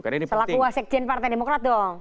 selaku wasekjen partai demokrat dong